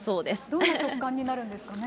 どんな食感になるんでしょうかね？